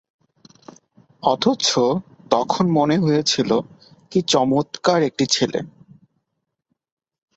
অথচ তখন মনে হয়েছিল, কী চমৎকার একটি ছেলে।